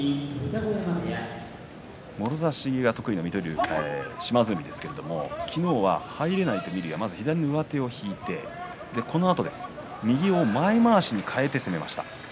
もろ差しが得意の島津海ですが昨日は入れないと見るや左の上手を引いてこのあと右を前まわしに替えて攻めました。